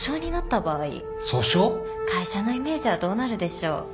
訴訟！？会社のイメージはどうなるでしょう？